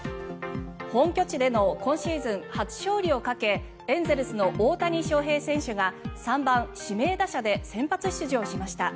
本拠地での今シーズン初勝利をかけエンゼルスの大谷翔平選手が３番指名打者で先発出場しました。